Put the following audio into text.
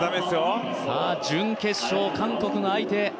準決勝は韓国が相手。